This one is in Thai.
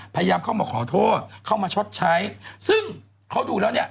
พยายามเข้ามาขอโทษเข้ามาชดใช้ซึ่งเขาดูแล้วเนี่ย